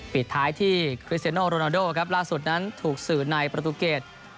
ปิดท้ายที่คริสเซโนโรนาโดครับล่าสุดนั้นถูกสื่อในประตูเกต